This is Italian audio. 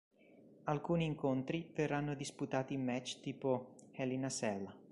Alcuni incontri verranno disputati in match tipo Hell in a Cell.